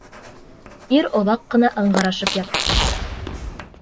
Ир оҙаҡ ҡына ыңғырашып ятты.